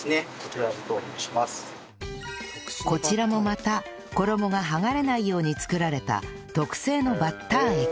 こちらもまた衣が剥がれないように作られた特製のバッター液